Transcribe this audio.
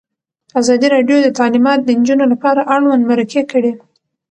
ازادي راډیو د تعلیمات د نجونو لپاره اړوند مرکې کړي.